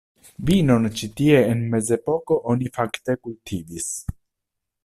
Vinon ĉi tie en mezepoko oni fakte kultivis.